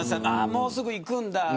もうすぐ行くんだ。